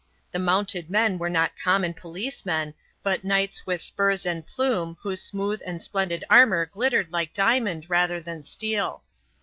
The mounted men were not common policemen, but knights with spurs and plume whose smooth and splendid armour glittered like diamond rather than steel.